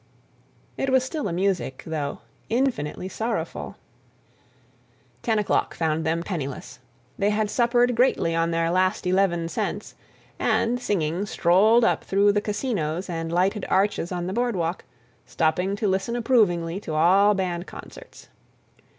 It was still a music, though, infinitely sorrowful. Ten o'clock found them penniless. They had suppered greatly on their last eleven cents and, singing, strolled up through the casinos and lighted arches on the boardwalk, stopping to listen approvingly to all band concerts.